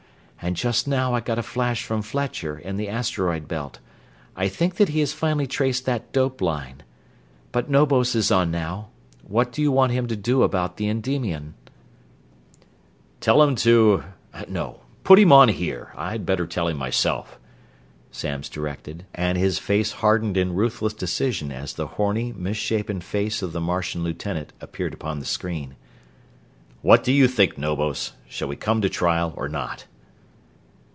And just now I got a flash from Fletcher, in the asteroid belt. I think that he has finally traced that dope line. But Knobos is on now what do you want him to do about the Endymion?" "Tell him to no, put him on here, I'd better tell him myself," Samms directed, and his face hardened in ruthless decision as the horny, misshapen face of the Martian lieutenant appeared upon the screen. "What do you think, Knobos? Shall they come to trial or not?"